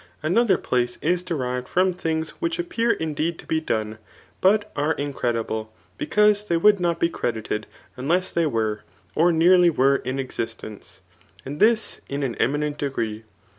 Another place is derived from things wfaioh appear indeed to be done, but are incredible, because they would not be credited, unless they were, or nearly were in existence ; and this in an eminent degree.